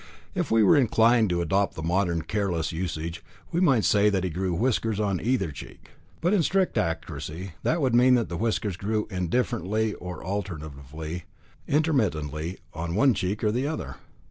If we were inclined to adopt the modern careless usage, we might say that he grew whiskers on either cheek. But in strict accuracy that would mean that the whiskers grew indifferently, or alternatively, intermittently on one cheek or the other.